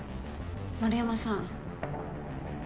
円山さん。